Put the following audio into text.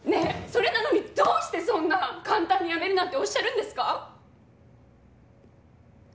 それなのにどうしてそんな簡単に辞めるなんておっしゃるんですか？